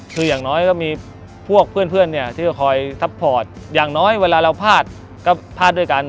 คืออย่างน้อยก็มีพวกเพื่อนเนี่ยที่คอยซัพพอร์ตอย่างน้อยเวลาเราพลาดก็พลาดด้วยกัน